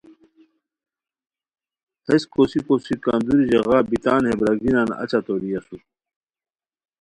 ہیس کوسی کوسی کندوری ژاغا بی تان ہے برارگینیان اچہ توری اسور